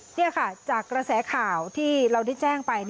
นี่ค่ะจากกระแสข่าวที่เราได้แจ้งไป